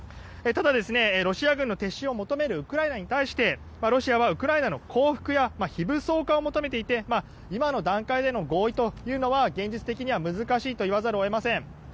ただ、ロシア軍の撤収を求めるウクライナに対してロシアはウクライナ軍の降伏や非武装化を求めていて今の段階での合意というのは現実的には難しいと言わざるを得ません。